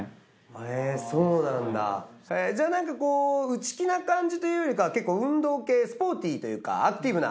へぇそうなんだじゃあなんか内気な感じというよりかは結構運動系スポーティーというかアクティブな。